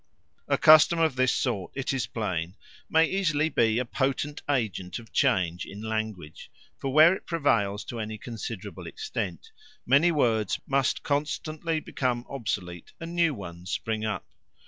A custom of this sort, it is plain, may easily be a potent agent of change in language; for where it prevails to any considerable extent many words must constantly become obsolete and new ones spring up.